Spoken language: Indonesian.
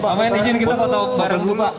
pak main izin kita foto bareng dulu pak